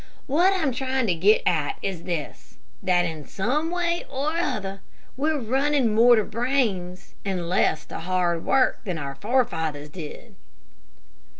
What I am trying to get at is this, that in some way or other we're running more to brains and less to hard work than our forefathers did."